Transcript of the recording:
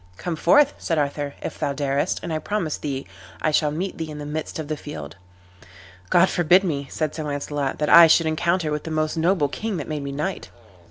"Come forth," said Arthur, "if thou darest, and I promise thee I shall meet thee in the midst of the field." "God forbid me," said Sir Launcelot, "that I should encounter with the most noble king that made me knight."